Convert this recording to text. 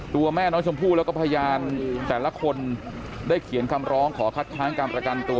แม่น้องชมพู่แล้วก็พยานแต่ละคนได้เขียนคำร้องขอคัดค้างการประกันตัว